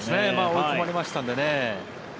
追い込まれましたのでね